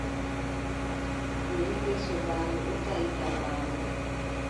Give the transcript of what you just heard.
Joli bee sobaajo ɗon tahita maayo.